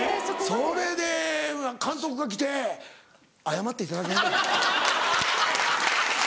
それで監督が来て「謝っていただけませんか？」。